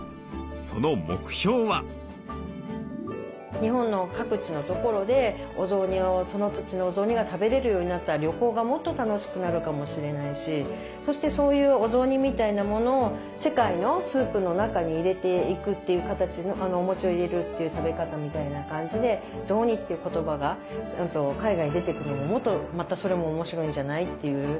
その目標は？日本の各地の所でお雑煮をその土地のお雑煮が食べれるようになったら旅行がもっと楽しくなるかもしれないしそしてそういうお雑煮みたいなものを世界のスープの中に入れていくっていう形のおもちを入れるっていう食べ方みたいな感じで「雑煮」っていう言葉が海外に出て行くのももっとまたそれも面白いんじゃないっていう。